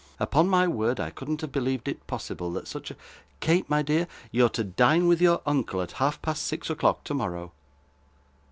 'Upon my word, I couldn't have believed it possible, that such a Kate, my dear, you're to dine with your uncle at half past six o'clock tomorrow.